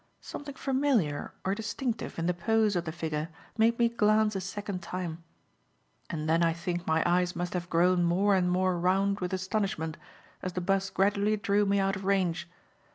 Something familiar or distinctive in the pose of the figure made me glance a second time; and then I think my eyes must have grown more and more round with astonishment as the 'bus gradually drew me out of range.